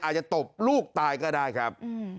อาจจะตบลูกตายก็ได้ครับ